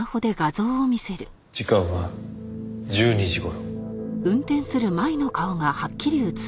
時間は１２時頃。